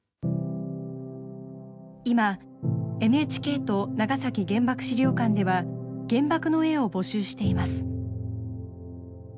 今ＮＨＫと長崎原爆資料館では原爆の絵を募集しています。